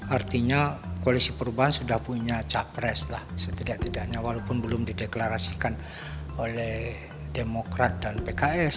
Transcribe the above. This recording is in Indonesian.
artinya koalisi perubahan sudah punya capres lah setidak tidaknya walaupun belum dideklarasikan oleh demokrat dan pks